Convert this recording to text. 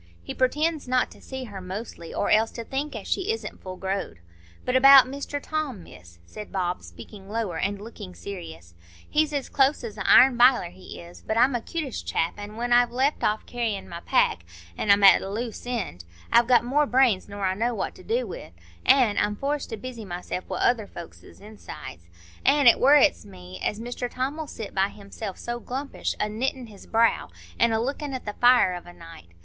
He pretends not to see her mostly, or else to think as she isn't full growed. But about Mr Tom, Miss," said Bob, speaking lower and looking serious, "he's as close as a iron biler, he is; but I'm a 'cutish chap, an' when I've left off carrying my pack, an' am at a loose end, I've got more brains nor I know what to do wi', an' I'm forced to busy myself wi' other folks's insides. An' it worrets me as Mr Tom'll sit by himself so glumpish, a knittin' his brow, an' a lookin' at the fire of a night.